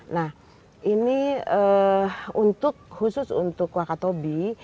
nah ini untuk khusus untuk wakatobi